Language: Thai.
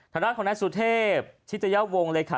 ธนาคต์ของนัทสุทธิพย์ชิตยาวงค์เลยค่ะ